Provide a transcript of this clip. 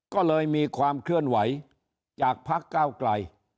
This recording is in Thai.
ก็เลยมีความเคลื่อนไหวจากพักเก้าไกล